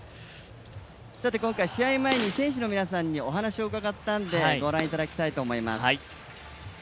今回試合前に選手の皆さんにお話を伺ったんでご覧いただきたいと思います。